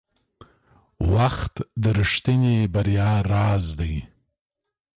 • وخت د رښتیني بریا راز دی.